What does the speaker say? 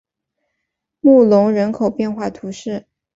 穆龙人口变化图示